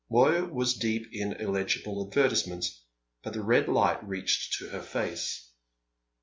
Moya was deep in illegible advertisements. But the red light reached to her face.